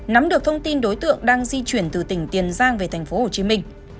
nắm được thông tin đối tượng đang di chuyển từ tỉnh tiền giang về thành phố hồ chí minh